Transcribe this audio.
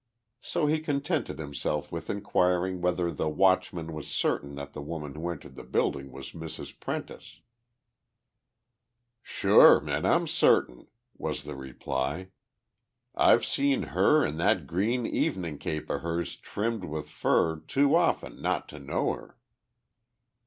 So he contented himself with inquiring whether the watchman was certain that the woman who entered the building was Mrs. Prentice. "Shure an' I'm certain," was the reply. "I've seen her and that green evening cape of hers trimmed with fur too often not to know her."